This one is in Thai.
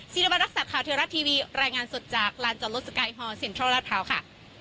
ศิริวัณรักษัตว์ข่าวเทวรัฐทีวีรายงานสดจากลานจอดรถสกายฮอลเซ็นทรัลลาดพร้าวค่ะ